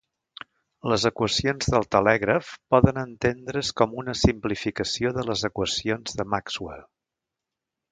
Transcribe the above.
Les equacions del telègraf poden entendre's com una simplificació de les equacions de Maxwell.